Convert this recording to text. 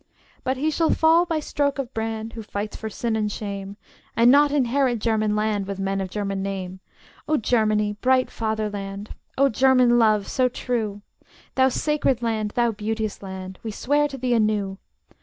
But he shall fall by stroke of brand Who fights for sin and shame, And not inherit German land With men of German name. O Germany, bright fatherland! O German love, so true! Thou sacred land, thou beauteous land, We swear to thee anew!